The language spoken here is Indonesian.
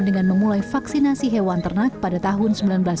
dengan memulai vaksinasi hewan ternak pada tahun seribu sembilan ratus sembilan puluh